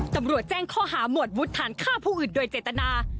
ตำรวจแจ้งข้อหาหมวดวุฒิฐานฆ่าผู้อื่นโดยเจตนา